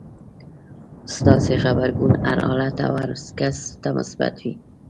ستاسې غبرګون هر حالت او هر کس ته مثبت وي.